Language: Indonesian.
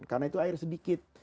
karena itu air sedikit